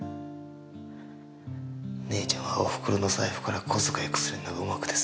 姉ちゃんはおふくろの財布から小遣いくすねるのが上手くてさ。